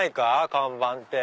看板って。